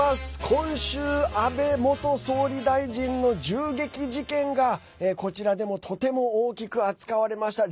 今週、安倍元総理大臣の銃撃事件がこちらでもとても大きく扱われました。